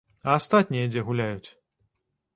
А астатнія дзе гуляюць?